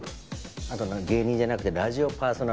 あとな芸人じゃなくてラジオパーソナリティーだ。